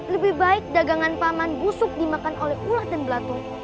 lebih baik dagangan paman busuk dimakan oleh ulat dan belatung